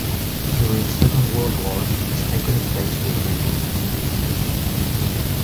During Second World War, this iconic place was removed and dismantled.